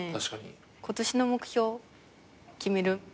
今年の目標決める？